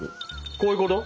こういうこと？